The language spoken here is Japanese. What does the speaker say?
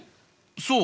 そう！